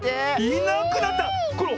いなくなった⁉これ